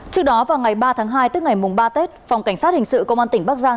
trước đó vào ngày ba tháng hai tức ngày mùng ba tết phòng cảnh sát hình sự công an tỉnh bắc giang